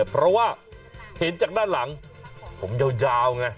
เพราะว่าเห็นจากด้านหลังผมยาวไง